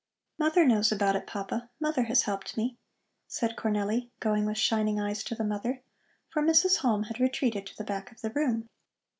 "Mother knows about it, Papa. Mother has helped me," said Cornelli, going with shining eyes to the mother, for Mrs. Halm had retreated to the back of the room.